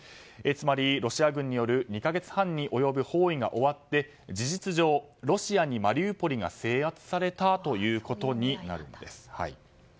つまりロシア軍による２か月半による包囲が終わって事実上、ロシアにマリウポリが制圧されたということになるんです。